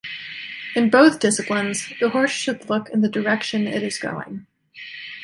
In both disciplines, the horse should look in the direction it is going.